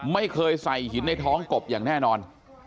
ไม่เคยใส่หินในท้องกบอย่างแน่นอน